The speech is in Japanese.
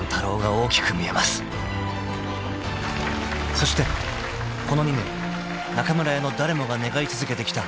［そしてこの２年中村屋の誰もが願い続けてきた